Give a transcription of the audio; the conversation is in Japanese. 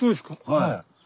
はい。